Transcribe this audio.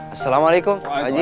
assalamualaikum pak haji